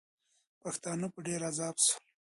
پښتانه په ډېر عذاب سول.